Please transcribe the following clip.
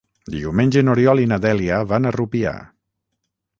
Diumenge n'Oriol i na Dèlia van a Rupià.